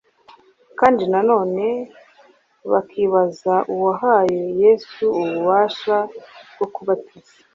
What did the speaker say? kandi na none bakibaza uwahaye Yesu ububasha bwo kubatiza.